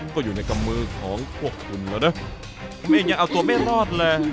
ก็อยู่ในกำมือของพวกคุณแล้วนะคุณเองยังเอาตัวไม่รอดเลย